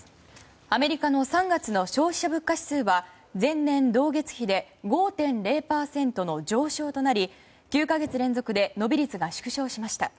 アメリカの３月の消費者物価指数は前年同月比で５．０％の上昇となり９か月連続で伸び率が縮小しました。